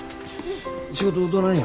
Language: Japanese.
仕事どないや。